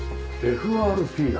ＦＲＰだ。